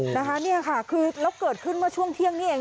แล้วเกิดขึ้นเมื่อช่วงเที่ยงนี่เอง